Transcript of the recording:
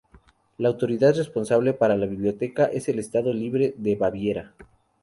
La autoridad responsable para la biblioteca es el Estado Libre de Baviera.